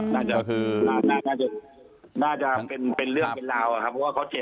น่าจะเป็นเรื่องเป็นราวเพราะว่าเค้าเจ็บมากครับ